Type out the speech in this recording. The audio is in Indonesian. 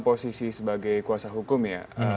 posisi sebagai kuasa hukum ya